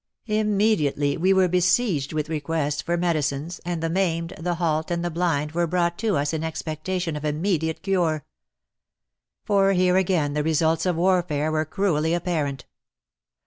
Immediately we were besieged with requests for medicines, and the maimed, the halt and the blind were brought to us in expectation of immediate cure. For here again the results of warfare were cruelly apparent.